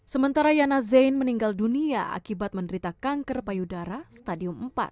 sementara yana zain meninggal dunia akibat menderita kanker payudara stadium empat